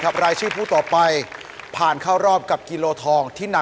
ขอให้หมายเลข๓เปล่า